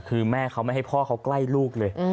คือแม่เขาไม่ให้พ่อเขาใกล้ลูกเลย